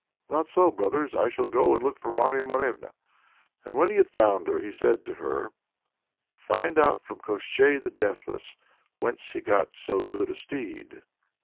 "Not so, brothers; I shall go and look for Marya Morevna." And when he had found her, he said to her: "Find out from Koshchei the Deathless whence he got so good a steed."